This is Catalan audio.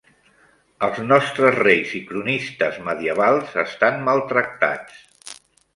Els nostres reis i cronistes medievals estan maltractats.